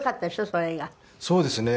そうですね。